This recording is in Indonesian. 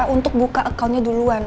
untuk buka account nya duluan